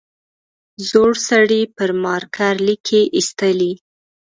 زوړ سړي پر مارکر ليکې ایستلې.